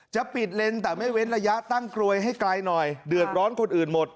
จะปิดเลนส์แต่ไม่เว้นระยะตั้งกลวยให้ไกลหน่อยเดือดร้อนคนอื่นหมด